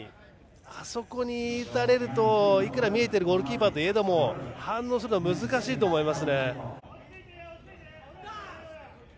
あそこに打たれるといくら見えているゴールキーパーといえども反応するの難しいと思います。